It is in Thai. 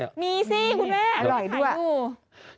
มีสิคุณแม่อร่อยด้วย